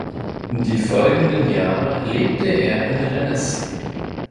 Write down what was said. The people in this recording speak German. Die folgenden Jahre lebte er in Rennes.